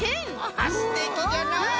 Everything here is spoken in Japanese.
あすてきじゃな！